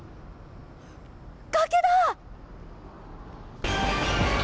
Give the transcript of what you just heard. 崖だ！